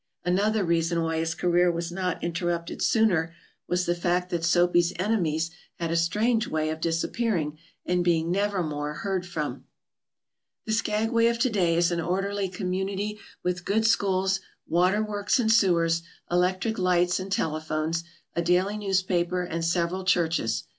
Another reason why his career was not interrupted sooner was the fact that Soapy's enemies had a strange way of disappearing and being nevermore heard from." The Skagway of to day is an orderly community with good schools, waterworks and sewers, electric lights and telephones, a daily newspaper and several churches.